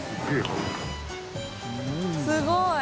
すごい！